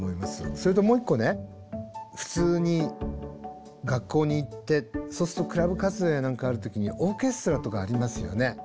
それともう一個ね普通に学校に行ってそうするとクラブ活動や何かある時にオーケストラとかありますよね。